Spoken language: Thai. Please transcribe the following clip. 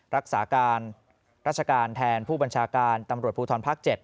รักษาการราชการแทนผู้บัญชาการตำรวจภูทรภาค๗